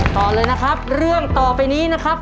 ต่อเลยนะครับเรื่องต่อไปนี้นะครับ